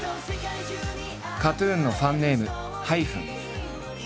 ＫＡＴ−ＴＵＮのファンネーム「ｈｙｐｈｅｎ」。